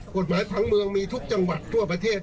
กฎหมายผังเมืองมีทุกจังหวัดทั่วประเทศ